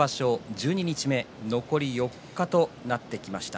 十二日目残り４日となってきました。